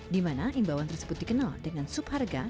di mana imbauan tersebut dikenal dengan subharga